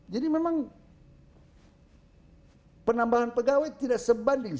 jadi memang penambahan pegawai tidak sebanding